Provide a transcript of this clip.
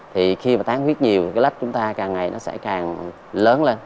thì khi mà tán huyết nhiều cái lách chúng ta càng ngày nó sẽ càng lớn lên